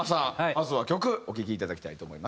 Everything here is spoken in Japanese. まずは曲お聴きいただきたいと思います。